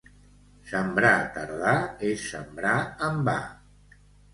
Sembrar tardà és sembrar en va.